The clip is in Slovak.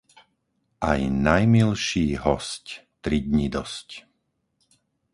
Aj najmilší hosť, tri dni dosť.